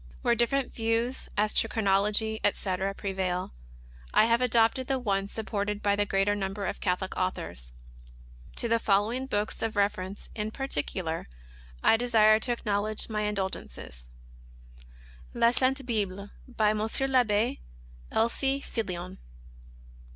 Where different views, as to chronology, etc., pre vail, I have adopted the one supported by the greater nimiber of Catholic authors. To the following books of reference in particular I desire to acknowledge my indebtedness : La Sainie Bible, by M. TAbbe L. C. Pillion.